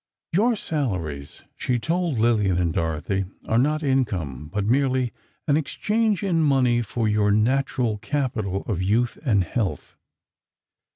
"Your salaries," she told Lillian and Dorothy, "are not income, but merely an exchange in money for your natural capital of youth and health.